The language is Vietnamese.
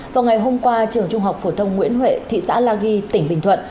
vào ngày hôm qua trường trung học phổ thông nguyễn huệ thị xã la ghi tỉnh bình thuận